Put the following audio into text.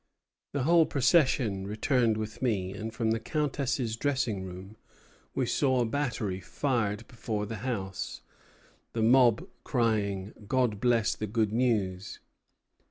The whole procession returned with me; and from the Countess's dressing room we saw a battery fired before the house, the mob crying, 'God bless the good news!'